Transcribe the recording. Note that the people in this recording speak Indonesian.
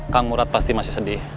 kang murad pasti masih sedih